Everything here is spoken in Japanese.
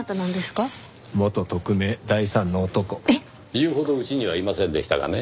言うほどうちにはいませんでしたがね。